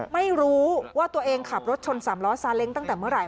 ไม่รู้ว่าตัวเองขับรถชนสามล้อซาเล้งตั้งแต่เมื่อไห